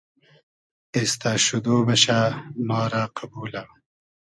اېستۂ شودۉ بئشۂ ما رۂ قئبولۂ